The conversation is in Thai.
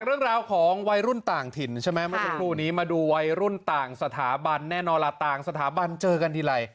เรื่องราวของวัยรุ่นต่างถิ่นใช่ไหมเมื่อสักครู่นี้มาดูวัยรุ่นต่างสถาบันแน่นอนล่ะต่างสถาบันเจอกันทีไร